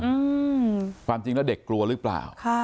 ความจริงละเด็กกลัวหรือเปล่า